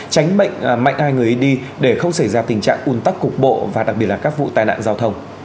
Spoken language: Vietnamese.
tránh bệnh mạnh ai người đi để không xảy ra tình trạng un tắc cục bộ và đặc biệt là các vụ tai nạn giao thông